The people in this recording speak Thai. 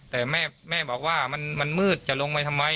แต่แม่บอกว่ามันมืดจะลงไปทำไม